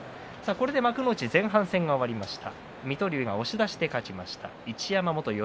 幕内前半戦が終わりました。